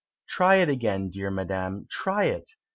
"Try it again, dear Madam, try it!